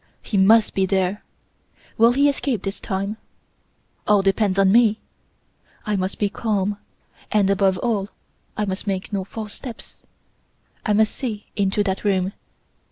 He must be there! Will he escape this time? All depends on me! I must be calm, and above all, I must make no false steps. I must see into that room.